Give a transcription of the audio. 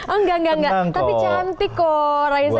engga tapi cantik kok raisa itu ya